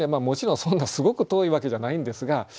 もちろんそんなすごく遠いわけじゃないんですが。